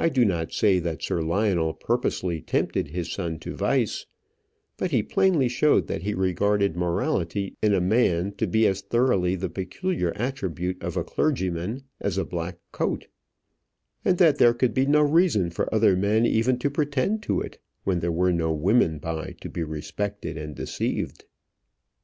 I do not say that Sir Lionel purposely tempted his son to vice; but he plainly showed that he regarded morality in a man to be as thoroughly the peculiar attribute of a clergyman as a black coat; and that there could be no reason for other men even to pretend to it when there were no women by to be respected and deceived.